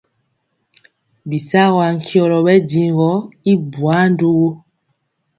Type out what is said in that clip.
Bisagɔ ankyɔlɔ ɓɛ njiŋ gɔ i bwaa ndugu.